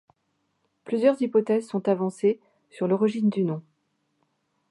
Plusieurs hypothèses sont avancées sur l'origine du nom.